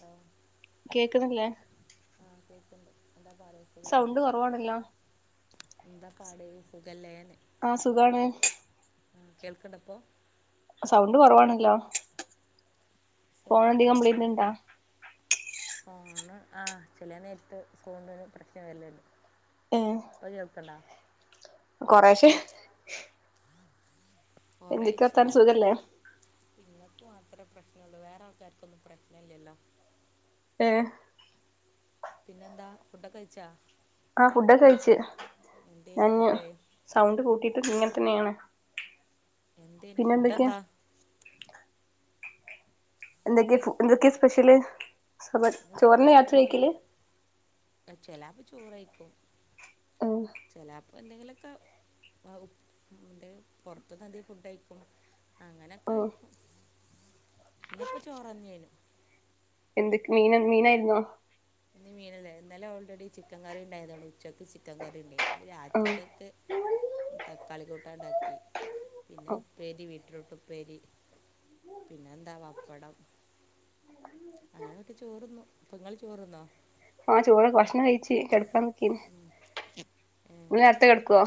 ഓ കേക്കുന്നില്ലേ? ആഹ്, കേക്കണ്ട്. ന്താ, പറീ... സൗണ്ട് കുറവാണല്ലോ? ന്താ, പാട് സൂഖല്ലെന്ന്. ആഹ്, സുഖാണ്. കേൾക്കണ്ട പ്പോ? സൗണ്ട് കുറവാണല്ലോ? [unintelligible] ഫോൺ എന്തെങ്കിലും കംപ്ലൈന്റ് ഇണ്ടാ ഫോണ്, ആഹ്, ചെല നേരത്ത് ഫോണ് ന് ഒരു പ്രശ്നം വരല്ണ്ട്. ഏഹ്. പ്പൊ, കേൾക്കണ്ട. കൊറെശേ? എന്തൊക്കെ കൊറേശേ. വർത്താനം സുഖല്ലേ നിങ്ങക്ക് മാത്രേ പ്രശ്നള്ളു. വേറെ ആൾക്കാർക്കൊന്നും പ്രശ്ന ഇല്ല ല്ലോ? ഏഹ്. പിന്നെന്താ, ഫുഡൊക്ക കഴിച്ചാ... ആഹ്, ഫുഡൊക്കെ കഴിച്ച്. എന്തേന് ഞാൻ ഞ് ഫുഡ് സൗണ്ട് കൂട്ടിട്ടും ഇങ്ങൻ തന്നെയാണ്. എന്തേനു പിന്നെ ഫുഡ് എന്തൊക്കെയാ എന്താ? എന്തൊക്കെ, എന്തൊക്കെ, സ്പെഷ്യല്. സബ ഇന്ന് ചോറിന്നെയ രാത്രി കഴിക്കല്. ചെലാപ്പ ചോറ് കഴിക്കും. ഏഹ്. ചെലാപ്പ ന്തെങ്കിലൊക്ക, ആഹ്, ന്തേം പൊർത്ത്ന്ന് ന്തേം, ഫുഡ് കയിക്കും. ഉം അങ്ങനക്കയിക്കും. ന്നിപ്പോ ചോറന്നെ നു. എന്തൊക് മീന മീനായിരുന്നോ? ഇന്ന് മീനല്ല. ഇന്നലെ ഓൾറെഡി ചിക്കൻ കറി ഉണ്ടായതോണ്ട്, ഉച്ചയ്ക്ക് ചിക്കൻ കറിണ്ടായിൻ. ഉം രാത്രിക്കക്ക്, തക്കാളി കൂട്ടാൻ ണ്ടാക്കി. പിന്നെ, ഉപ്പേരി, ബീറ്റ്റൂട്ട്, ഉപ്പേരി, പിന്നെ ന്താ പപ്പടം. അങ്ങനൂട്ടി ചോറുന്നു. ഇപ്പൊങ്ങ ചോറ് തിന്നോ? ആഹ്, ചോറ, ഭക്ഷണം കഴിച്. കെ ടക്കാൻ നിക്കനീ. ങ്ങള് നേരത്ത കെ ടക്കുവോ?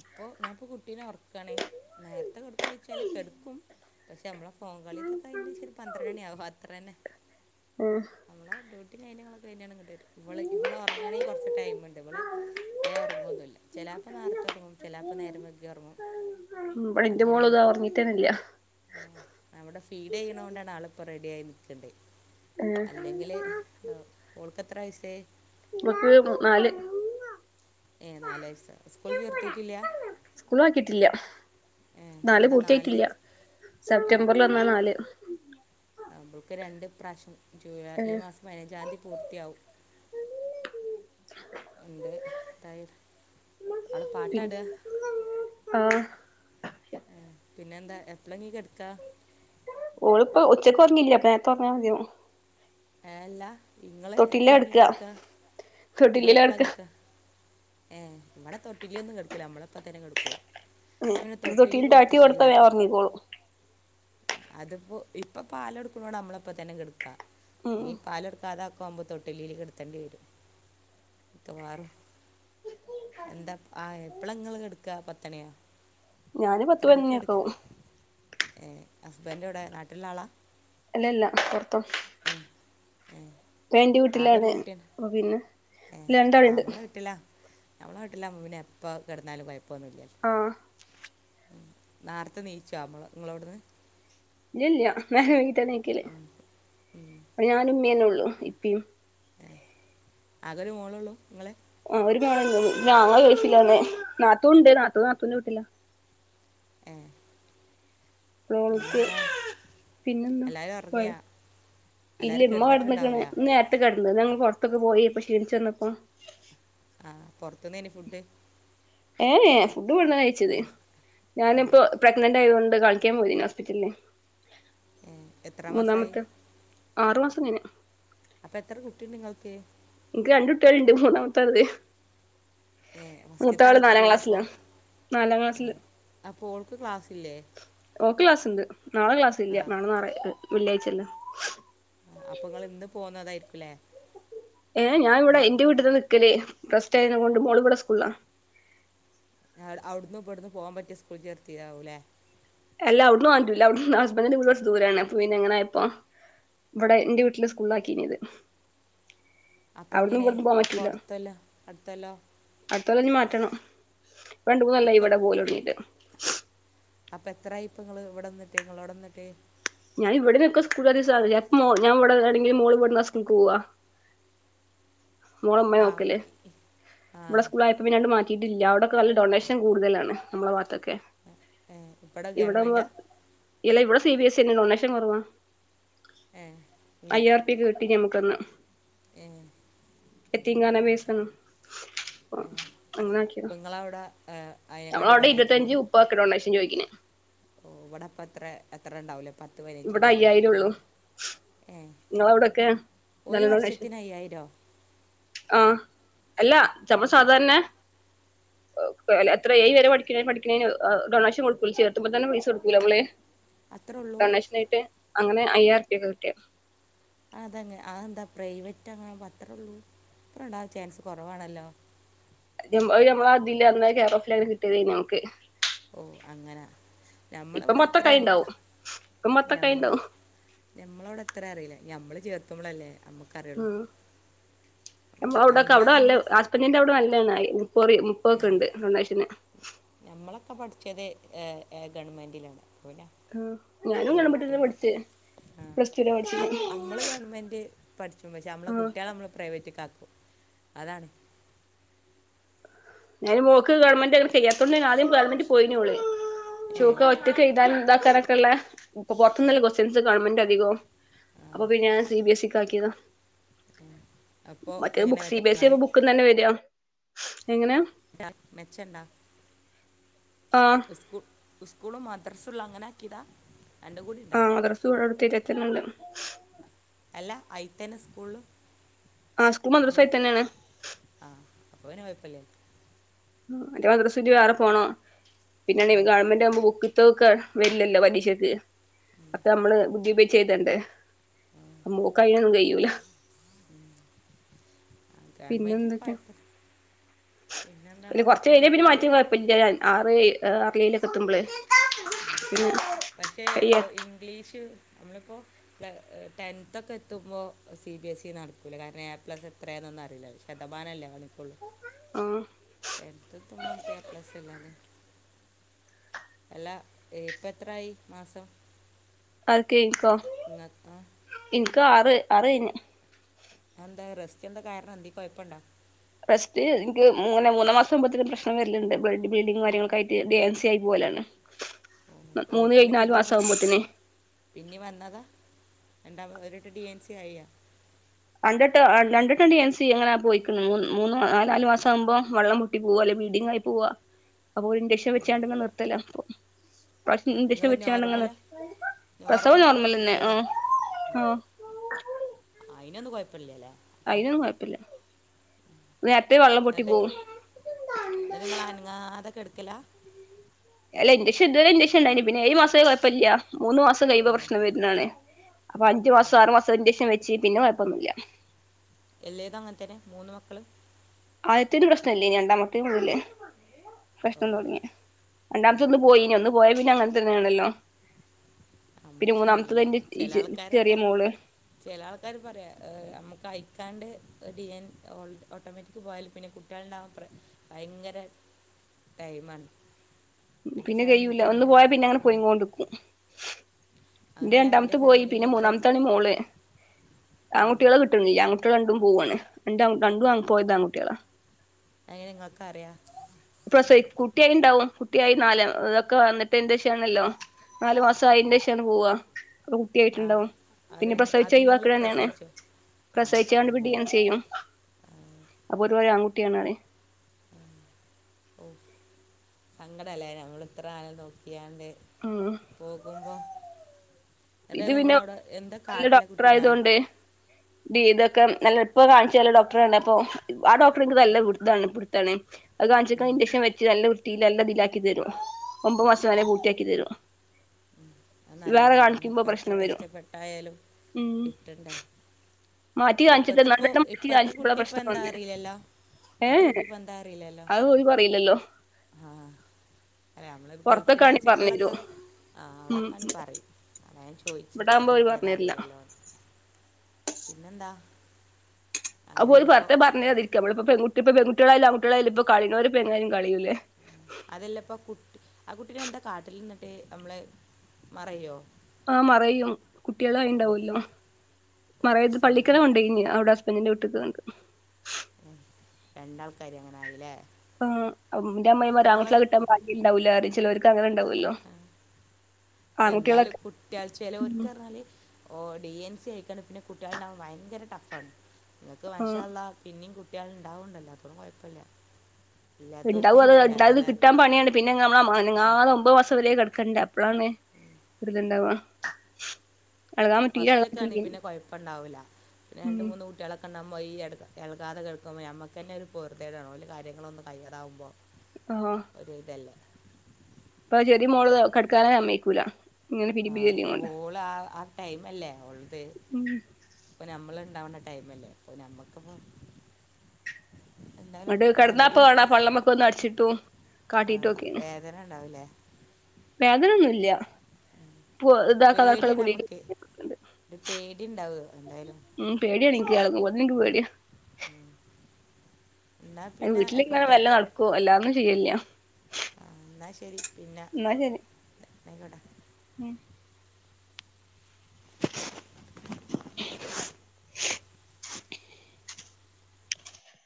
ഇപ്പൊ ഞാൻ ഇപ്പ കുട്ടീനെ ഓറക്കാണ് നേരത്തെ കെടക്കോയിച്ചാല് കെടക്കും പക്ഷെ നമ്മളെ ഫോൺ കളിത്തെ കഴിഞ്ഞ് ഒരു പന്ത്രണ്ട് മണിയാകും അത്രന്നെ ഉം നമ്മളെ ഡ്യൂ മറ്റും കാര്യങ്ങളൊക്കെ കഴിഞ്ഞ് ഞാൻ ഇങ്ങട്ട് വരും ഇവള് ഇവള് ഒറങ്ങാണെങ്കിൽ കൊറച്ച് ടൈം ഇണ്ട് ഇവള് വേഗം ഒറങ്ങൊന്നുല്ല ചെലാപ്പം നേരത്ത ഒറങ്ങും ചെലാപ്പം നേരം വകി ഒറങ്ങും ഉം ഇബടെ ഇന്റെ മോളിതാ ഒറങ്ങിട്ടേന്നില്ല ആഹ് അവിടെ ഫീഡ് ചെയ്യണ കൊണ്ടാണ് ആള് ഇപ്പോ റെഡി ആയി നിക്കണ്ട് ഏഹ് അല്ലെങ്കില് ഓൾക്ക് എത്ര വയസ്സായി ഓക്ക് മു നാല് ഏഹ് നാല് വയസ്സ് സ്കൂളിൽ ചേർത്തീട്ടില്ല ഇല്ല് നാല് പൂർത്തിയായിട്ടില്ല സെപ്റ്റംബർ വന്നാ നാല് ആഹ് ഇവൾക്ക് രണ്ട് ഇപ്രാവശ്യം ജൂലൈ ഈ ഏഹ് മാസം പയിനഞ്ചാതീ പൂർത്തിയാവും രണ്ട് [unintelligible] അവള് പിന്നെ പാട്ടാടാ ആഹ് ഉം പിന്നെന്താ എപ്പളാ ഇന്നി കെടക്കാ ഓള് ഇപ്പോ ഉച്ചക്ക് ഉറങ്ങീല്ലാ അപ്പൊ നേരത്തെ ഒറങ്ങാ മതിയാവും ഏഹ് അല്ലാ ഇങ്ങള് തൊട്ടിലിലാ എപ്പളാങ്ങീ കെടക്കാ കെടുക്കാ ഇങ്ങള് എപ്പളാ കെടക്കാ ഏഹ് ഇവിടെ തൊട്ടിലിൽ ഒന്നും കെടുക്കുല്ല നമ്മളൊപ്പ തന്നെ കെടുക്കൂള്ളു ഞാൻ പിന്നെ തൊട്ടിലി തൊട്ടിലിൽ കൊടുത്തി ടാറ്റി കൊടുത്താ വേഗം ശീലാക്കി ഒറങ്ങിക്കോളും അ അതിപ്പോ ഇപ്പൊ പാല് കെടുക്കണോണ്ട് നമ്മളെ ഒപ്പ തന്നെ കെടുക്കാ ഉം ഇന്നി പാല് കൊടുക്കാതാക്കുമ്പോ തൊട്ടിലിൽ കെടത്തേണ്ടി വരും മിക്കവാറും എന്താ ആഹ് എപ്പളാ ഇങ്ങള് കെടക്കാ പത്തണിയോ ഞാന് പത്ത് എത്ര മണിക്കാ പതിനൊന്നണിയൊക്കെ കെടക്കാ ആവും ഏഹ് ഹസ്ബൻഡ് എവിടെ നാട്ടിലുള്ള ആളാ? അല്ലല്ല പൊറത്താ ഏഹ് ഏഹ് ഞാൻ എന്റെ ആകെ ഒരു വീട്ടിലാണ് കുട്ടിയന്നെ അപ്പൊ പിന്നെ ഏഹ് ആഹ് രണ്ടാള്ണ്ട് നമ്മളെ [unintelligible] ഞമ്മളെ വീട്ടിലാകുമ്പോ പിന്നെ എപ്പോ കെടന്നാലും കൊയപ്പൊന്നു ഇല്ലല്ലോ? ആഹ് ഉം നാറത്തെ നീച്ചോ മ്മള ഇങ്ങളോട്ന്ന് ഇല്ലല്ല നേരം വെകീട്ടാ നീക്കല് ഇപ്പോ ഞാനു ഉമ്മേള്ളു ഇപ്പയും ആകെ ഒരു മോളോള്ളൂ ഇങ്ങള് ആഹ് ഒരു മേളെന്നെ ഉള്ളു ആങ്ങള ഗൾഫിലാണ് നാത്തൂൻ ഇണ്ട് നാത്തൂൻ നാത്തൂന്റെ വിട്ടിലാ ഏഹ് ഓൾക്ക് പിന്നെന്താ പിന്നെന്താ എല്ലാരും പോയോ ഒറങ്ങിയോ? ഇല്ല എല്ലാരും ഇമ്മ കെടന്ന്ക്ക്ണ് കെടന്നിട്ടുണ്ടാവൂലാ? [unintelligible] കെടന്ന് [unintelligible] പൊറത്തൊക്കെ പോയി ഇപ്പൊ ക്ഷീണിച്ചു വന്നപ്പോ ആഹ് പൊറത്ത്ന്നേനി ഫുഡ്? ഫുഡ് ഇവിട്ന്നാ കയ്ച്ചത് ഞാനിപ്പോ പ്രഗ്നന്റ് ആയതോണ്ട് കാണിക്കാൻ പോയിനി ഹോസ്പിറ്റലില് ഉം എത്ര മാസായി മൂന്നാമത്തെ ആറു മാസം കഴിഞ്ഞ് അപ്പൊ എത്ര കുട്ടിണ്ട് ഇങ്ങൾക്ക്? ഇൻക്ക് ‌രണ്ട് കുട്ട്യേള്ണ്ട് മൂന്നാമത്തതാണ് ഇത് ഏഹ് ഫസ്റ്റ്ത്തെ ആള് നാലാം എത്രയിലാ അപ്പൊ? ക്ലാസ്സിലാ നാലാം ക്ലാസ്സില് ഏഹ് അപ്പൊ ഓൾക്ക് ക്ലാസ്സില്ലേ? ഓക്ക് ക്ലാസ്സ്ണ്ട് നാളെ ക്ലാസ്സ് ഇല്ല നാളെ ഞാറാ വെള്ളിയാഴ്ച്ചയല്ലേ? അപ്പൊ ഇങ്ങള് ഇന്ന് പോന്നതായിരിക്കുല്ലേ? ഏഹ് ഞാന് ഇവിടെ ഇന്റെ വീട്ടിലാ നിക്കല് റെസ്റ്റ് ആയേനെകൊണ്ട് മോള് ഇവിടെ സ്കൂളിലാ അ അവിടുന്നു ഇവടന്നും പോകാൻ പറ്റിയ സ്കൂൾ ചേർത്തിതാവൂല്ലേ? അല്ല അവിടന്ന് പോവാൻ പറ്റൂല ഹബൻഡിന്റെ വീട് കൊറച്ച് ദൂരാണ് അപ്പോ പിന്നെ ഇങ്ങനെ ആയപ്പോ ഇവിടെ ഇന്റെ വീട്ടില് സ്കൂളിലാക്കിന്നിയത് അപ്പ എങ്ങനെ അപ്പൊ പറ്റൂല്ല അടുത്തൊല്ലോ അടുത്തൊല്ലോ? അടുത്ത കൊല്ലം ഇനി മാറ്റണം ഇപ്പോ രണ്ട് മൂന്ന് കൊല്ലായി ഇക്കൊ ഇവിടെ പോവല് തൊടാങ്ങീറ്റ് അപ്പൊ എത്രയ ഇപ്പൊ ങ്ങൾ ഇവിടെ നിന്നിട്ട് നിങ്ങള ഇവിടെ നിന്നിട്ടേ ഞാന ഇവിടേന്നക്കെ സ്കൂള ഞൻവിണെങ്കിൽ മോൾവിടുന്ന സ്കൂക്ക് പോവ മോളമ്മെ ആ നോക്കല് ഇ- ആ ഇവിടെ സ്കൂള് ആയ അ പിന്നൊണ്ട് മാറ്റിയിട്ടില്ല അവിടെടൊക്ക നല്ല ഡൊണേഷൻ കൂടുതലാണ് നമ്മളെ ഭാഗത്തൊക്കെ ഏ, ഇവിടെ ഗവൺമെൻറ്റാ ഇല്ല ഇവിടെ സിബിഎസ്ഇ എന്നെഡൊനേഷൻ കൊറവാ ഏ ഇ കിട്ടി ഞമുക്കന്ന് ഏഹ് എത്തിങ്ങാന ബേയ്സാണ് ആ അപ്പം നിങ്ങളവിടെ അയനെക്കാട്ടി ബഡ്ജറ്റ്കൂടി പർക്ക ഡോണേഷൻ ചോദിക്കന് ഓ ഇവിടെ അപ്പ എത്ര എത്ര ഉണ്ടാവല്ലേ പത്ത് പതിനഞ്ച്ച ഇവിടെ ഉണ്ടാവുള്ളോ? അയ്യായിരം ഉള്ളൂ ഏ നിങ്ങളവിടൊക്കെ ഒരു വർഷത്തിന് അയ്യായിരോ? ആഹ അല്ല ഏ നമ്മള്സാധാരണെ എത്ര ഏഴ്‌വരെ പഠിക്കണേ പഠിക്കണേന് ഡൊണേഷൻ കൊടു ചേർത്തുമ്പോ തന്നെ പൈസകൊടുക്കൂല നമ്മള് അത്രേ ഉള്ളൂ ഡൊണേഷൻ ആയിട്ട് അങ്ങനെ അയ്യായിരംറുപ്യാ ക്ക്കിട്ടിയ അതങ്ങ് അതെന്താ പ്രൈവറ്റ് അങ്ങാ അത്രഉള്ളൂ അത്ര ഉണ്ടാകാൻചാൻസ് കൊറവാണല്ലോ? നമ്മള അതില്ല അന്ന്കേറോഫിലങ്ങനകിട്ടിയത് നമക്ക് ഓ അങ്ങനാ ഇപ്പം ഞമ്മളിവിടെ പത്തൊക്കായി എത്രയാമക്ക് ഉണ്ടാവും ഇപ്പം പത്തൊക്കായി ഞമ്മള ഉണ്ടാവും ഞമ്മള ഇവിടെ എത്ര അറില്ല ഞമ്മള് ചേർത്ത്പോളല്ലേ ഞമ്മക്ക് ഉം നമ്മ നമ്മളെ അവിടൊക്കെ നമ്മളെ അവിട അല്ല നമ്മളെ അപ്പനീറെ അവിടെ നല്ലതണ്ായി മുപ്പറി മുപ്പ ഒക്കെ ഉണ്ട് ഡോണെഷന് നഞമ്മളൊക്കെ പഠിച്ചത് ഗവൺമെന്റിലാണ് ആ ഞാനും ഗവൺമെന്റിലാ പഠിച്ചേ പ്ലസ് ടുലാ പഠിച്ചത് ആഹ നമ്മള് ഗവൺമെന്റ് പഠിച്ച പക്ഷെ നമ്മളെ ആഹ് കുട്ടികൾ നമ്മള് പ്രൈവറ്റ കാക്കും അതാണ് ഞാൻ മോക്ക് ഗവൺമെന്റ്ങ്ങനെ ചെയ്യാത്തുണ്ട് ആദ്യം ഗവൺമെന്റ് പോയിനോള ഏ ചക്ക ഒറ്റക്ക ഇന്താനൻ ഉതാക്കാനൊക്കെയള്ള ഇൊ പുറത്തുന്ന കൊസ്റ്റൻസ് ഗവൺമെന്റ് അധികവും അപ്പൊ പി ഞാൻ സി ബി എസ് സക്ക് ആക്കിയതാ അപ്പോൾ ഇപ്പം മറ്റേ എങ്ങനെ സി ബിഎസ് ആള് സ ബുക്ക്ന്ന് തന്നെ വരിക എങ്ങനെയാ മെച്ചണ്ട ആ സ്കൂൾ സ്കൂളും മദ്രസള്ള അങ്ങനെ ആക്കിതാ രണ്ടും കൂടി ഉണ്ടോ ചൂടർ തീരത്തിുണ്ട് അല്ല ഐത്തന സ്കൂളള് ആ സ്കൂൾ മരസായി തന്നെയാണ് ആഹ് അപ്പൊ അവന് കുഴപ്പല്ലേ ്ന്റെ വദ്രസുറ്റി വേറെ പോണം പിന്നെ ഗവൺമെന്റ് ആകുമ്പ് ബുക്ക് ക്ക വരില്ലല്ലോ പലീശക്ക് അപ്പൊ നമ്മള് ബുദ്ധി ചെയ്തണ്ടണ്ട് അപ്പ മോക്ക കഴഞ്ഞൊന്നും കഴൂല ഉ അത പിന്നെ മതി എന്തൊക്കെയാ പായപ്പ അല്ല കുറച്ച ഇപ്പം പ പിന്നെ എത്ര ഇയറ് മാറ്റഴ ആറ് ആറിലൈയിലൊക്കെത്തുമ്പള് പി പക്ഷെ ഇംഗ്ലീഷ് നമ്മളിപ്പോ ടെൻത്ത ഒക്കെ എത്തുമ്പോൾ സി ബി എസ് ഇ നടക്കൂല കാരണം എ പ്ലസ് എത്രയാെന്നൊന്നും അറിയില്ല ശതമാനല്ലേണനിക്കള്ളൂ ആഹ ടെ തുമമുക്ക് പ്ലാല്ല അല്ലപ്പ അത്രായി മാസം അക്കെ ഇനക്കോ നിങ്ങൾക്ക് ഇനക്കാ അറ അരന എന്താ റെസ്റ്റ് എന്താ കാരണം എന്തീ പയപ്പണ്ടാ റെസ്റ്റ് എനിക്ക് മൂന്ന് മൂന്ന മാസം മുമ്പത്തെനും പ്രശ്ന വല്ല്യണ്ട് ബ്ലഡ്ഡ് ബ്ലീഡിങ്ങും കാര്യങ്ങളൊക്കായിട്ട് ഡി എൻ സി ആയി പോവലാണ് ഓ മൂന്ന് കഴിഞ്ഞാലു മാസം ആവുമ്പോത്തേനെ പിന്നി വന്നതാ രണ്ടാമത് ഒരിട്ട് ഡി എൻ സി ആയോ രണ്ടിട്ട് രണ്ടിട്ട്ണ്ട് ഡി അൻ സി എങ്ങനെ പോയിക്ക്ണ് മൂന്ന് ആഹ് നാല് മാസംകുമോ വെ കുട്ടി പോവാ അല്ലെ വീഡിങ് ആയി പോവാ അപ്പ ഒരു ഇൻചക്ഷൻ ഓ വെച്ചാണ്ട് ഇങ്ങനെ നിർത്തലാ പ്പോ ഭക്ഷ ഇന്തഷം നിങ്ങൾ വെച്ച [unintelligible] നോർമലാ പ്രസവം നോർമലാ അല്ലേ നോർമലന്നെ സിസ്റ്ററി ആഹ് ആഹ് അയ്നൊന്നും കൊയപ്പല്ലലേ അയ്നൊന്നും കൊഴപ്പ്ല്ല നേരത്തെ വെള്ളം പൊട്ടി പോവും ന്ന്ട്ട്ങ്ങള് അനങ്ങാതെ കെടക്കലാ അല്ല ഇൻഞ്ചഷൻ ഇതുവരെ ഇൻജക്ഷൻണ്ടായിന് പിന്നെ ഏഴ് മാസവേ കൊയപ്പ്ല്ല്യാ മൂന്ന് മാസം ആ കൈയുമ്പോ പ്രശ്നം വെരുന്നാണ് അപ്പ അഞ്ച് ആ മാസം ആറ് മാസം ഇൻജെക്ഷൻ വെച്ച് പിന്നെ കൊഴപ്പൊന്നുല്ല എല്ലേതും അങ്ങൻത്തെന്നെ മൂന്ന് മക്കള് ആദ്യത്തേന് പ്രശ്നല്ലേനി രണ്ടാമത്തേ മുതലേ ഓ പ്രശ്നം തൊടങ്ങിയെ രണ്ടാമത്തൊന്ന് പോയിനി ഒന്ന് പോയേ പിന്നെ അങ്ങൻ തന്നേണല്ലോ പിന്നെ നമുക്കറിയില്ല മൂന്നാമത്തതെന്റെ ഈ ച് ചെറിയ മോള് ചെല ആൾക്കാര് പറയാ ആഹ് അമ്മക്ക് ആയ്ക്കാണ്ട് ഡി എൻ ഓൾ ഓട്ടോമാറ്റിക് പോയാല് പിന്നെ കുട്ട് ട്ടികള്ണ്ടാവാൻപ്രെ ഭയ്ങ്കര ടൈമാണ് എന്റെ ഫാമിലിത്തേനൊരാളാ ഉം ടുക്കും ഇന്റെ അങ്ങനല്ല എൻ്റെ രണ്ടാമത്തെ പോയി ഫാമിലിയിൽ പിന്നെ ഇപ്പോൾ മൂന്നാമത്താണ് ഈ മോള് ആൺകുട്ട്യേളെ കിട്ടണ്ല്ല ആൺകുട്ടികള് രണ്ടും പൂവാണ് രണ്ടാൺകു രണ്ടും ആപോയത് ആൺകുട്ട്യേളാ അയ്ങ്ങനെങ്ങക്കറിയാ പ്രസവി കുട്ടിയായിണ്ടാവും കുട്ടിയായി നാലാം തൊക്കെ വന്നിട്ടേന്റെഷാണല്ലോ നാല് മാസായിന്റേഷാണ് പോവാ അത് ആ കുട്ടിയായിട്ട്ണ്ടാവും ആ പിന്നെ രണ്ട് അത് നിങ്ങൾ പ്രസവിചൊയ്വാക്കുന്നെയാണ് പ്രസവിച്ചോ ആ ഓ പ്രസവിച്ചാണ്ട്പ്പ ഡി അങ്ങനെ ആൻസി ചെയ്യും അപ്പൊ ഓര് പറയും ആൺകുട്ടിയാണ് പറയും ഓഹ് സങ്കടല്ലേ ഞമ്മള്ത്രാലം നോക്കിയാണ്ട് ഉം പോകുമ്പോ ട്ടേ ഇത് പിന്നെ നിങ്ങളവിടെ എന്താ കാട്ടില കുട്ടിനാ ടീ ഇതക്കെ നല്ലപ്പൊ കാണിച്ചേല് ഡോക്ടറെന്നെപ്പൊ ആഹ് ഡോക്ടർക്ക് നല്ല ഗുരുത്താണ് ഗുരുത്താണ് അത് കാണിച്ചേക് ഉം, ഇൻചക്ഷൻ വെച്ച് നല്ല ടീലല്ലാതിലാക്കിത്തെരും ഒമ്പത് മാസം വരെ പൂർത്തിയാക്കിത്തെരും അത് നല്ലതാ ന്ന്പ്പത്ര പ്രശ്നം വരും കഷ്ടപ്പെട്ടായാലും ഉം കിട്ടണ്ടേ മാറ്റി കാണിച്ചിട്ട് ഇപ്പത്ത്പ്പൊ നല്ലവണ്ണം മാറ്റി ഇപ്പത്തെ കാണിച്ചപ്പോളാ പ്രശ്നം കുട്ടിപ്പന്താ വന്നേ അറീലല്ലോ ഏ ഇപ്പത്തെ കുട്ടീപ്പെന്താ അറില്ലാല്ലോ അത് ഓല് പറയില്ലല്ലോ ആഹ് ആഹ് ഏഹ് ഞമ്മ്ളെ ഗൾഫ് പുറത്തൊക്കെ ആണെങ്കി പറഞ്ഞരും രാജ്യങ്ങള്ലക്കെ ആഹ് അവ്ടെ ഉം അയാൻ ചോയിച്ചത് ഇവിടാകുമ്പോ ഇപ്പത്തെ ഓല് പറഞ്ഞരില്ല കുട്ടിയേതാറീലല്ലോ പിന്നെന്താ അപ്പോല് അങ്ങനെയാണ് ബർതെ ഇപ്പോൾ പറഞ്ഞെതിരിക്ക്യാ മ്മളിപ്പ പെൺകുട്ടിപ്പ പെൺകുട്ടികളായാലും അൺകുട്ടികളായാലും ഇപ്പ കളേണോലിപ്പ എങ്ങനേയ്ലും കളെയൂല്ലേ അതല്ലപ്പൊ കുട്ടി ആഹ് കുട്ടീനെ എന്താ കാട്ടല്ന്ന്ട്ട് നമ്മളെ മറയ്യോ ആഹ് മറയ്യും കുട്ട്യേളായിണ്ടാവൂല്ലോ ഓ മറയ്ത്ത് പള്ളിക്കല് സംഘം കൊണ്ടയ്ഞ്ഞ് അവിടെ സ് പെണ്ണിന്റെ വീട്ട്ക്ക് കണ്ട് രണ്ടാൾക്കാര് അങ്ങനായ്ല്ലേ ഉം അം ന്റെമ്മായിമാര് ആൺകുട്ട്യളെ കിട്ടാൻ ഭാഗ്യണ്ടാവൂല്ലറെം ചെല്വോര് ക്കനെണ്ടാവൊല്ലോ എന്നാലും കുട്ട്യാള് ചേലോൽക്കറഞ്ഞാല് ഓഹ് ഡീ എൻ സീ ആയിക്കാണ് പിന്നെ കുട്ട്യള്ണ്ടാവാൻ വയങ്കര ടഫാണ് ങ്ങക്ക് ആ മാഷാള്ളാ പിന്നേം കുട്ട്യള്ണ്ടാവുണ്ടല്ലോ അപ്പള് കൊയപ്പ്ല്ലാ ഇണ്ടാവും അത്ണ്ടായത് കിട്ടാൻ അറിയും പണിയാണ് പിന്നെ ങ്ങമ്മള് മനങ്ങാത ഒമ്പത് മാസം വെരെ കെടക്കണ്ടേ അപ്പഴാണ്. ഇതില്ണ്ടാവ ഫസ്റ്റ് ഒക്കാണെ പിന്നെ കൊയപ്പണ്ടാവൂല്ല. രണ്ട് ഉം മൂന്ന് കുട്ടികള ക്കണ്ട മൊയ് എട്കാ എളകാത കെട്ക്കുമ്പോ ഞമ്മക്കന്നെ ഒരു പൊർതികേടാണ് ഓല് കാര്യങ്ങള് ഒന്നും കയ്യാതാകുമ്പോ ആഹ് ഒരു ഇതല്ലേ പ്പാ ചെറിയാ മോള് കെടക്കാനെ സമ്മയിക്കൂല ആഹ് ഓള് ആ ആ ടൈമല്ലേ ഓളത്. ഉം ഇപ്പൊ ഞമ്മള് ണ്ടാവണ്ട ടൈമല്ലേ? അപ്പൊ ഞമ്മക്കപ്പോ എന്നാലും ഇങ്ങട്ട് കെടന്നാപ്പൊ അലതില് കാണാ പ്രശ പള്ളമ്മക്ക് ഒന്ന് അടിച്ചിട്ടും ആഹ് കാട്ടിട്ടൊക്കേണ് വേദന ണ്ടാവുല്ലേ? വേദനന്നൂല്യ പേടിയാ ഞമ്മക്ക് ഒരു പേടി ഉണ്ടാവോ എന്തായാലും. ഉം പേടിയാണിൻക്ക് എളകുംമ്പോത്തിന് ഇന്ക് പേടിയാ. ഉം. എന്നാ അയിന് പിന്നെ വീട്ടിലിങ്ങനെ ആയിക്കോട്ടെ വെല്ലേ നടക്കും അല്ലാതൊന്നും ചെയ്യലില്ലാ. ആ ന്നാ ശരി. പിന്നെ ന്നാ ശരി ആയിക്കോട്ടെ ഉം